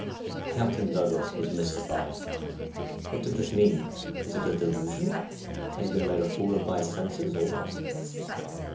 Captain Douglas was mystified. What did this mean ? Was it a delusion ? Had he been made a fool of by his senses, or what